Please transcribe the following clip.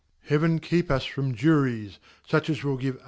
Heaven keep 'us from Jurie; , finch as will give 0.